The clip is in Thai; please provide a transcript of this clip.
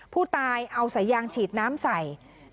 ผู้ตายเอาสายยางฉีดน้ำใส่